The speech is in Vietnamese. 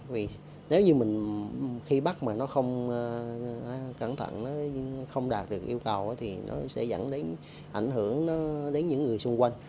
vì nếu như mình khi bắt mà nó không cẩn thận nó không đạt được yêu cầu thì nó sẽ dẫn đến ảnh hưởng đến những người xung quanh